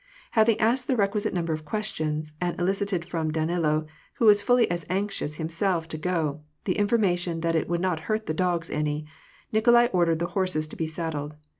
Having asked the requisite number of questions, and eli cited from Danilo — who was fully as anxious himself to go — the information that it would not hurt the dogs any, Nikolai ordered the horses to be saddled.